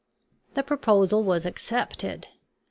The proposal was accepted.